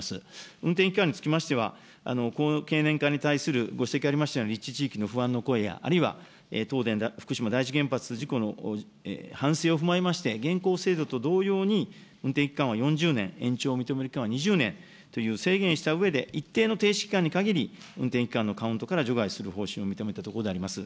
運転期間につきましては、この経年化に対するご指摘ありましたように、立地地域の不安の声や、あるいは東電福島第一原発の事故の反省を踏まえまして、現行制度と同様に運転期間を４０年、延長を認める期間は２０年という制限をしたうえで、一定の停止期間に限り、運転期間のカウントから除外する方針を認めたわけであります。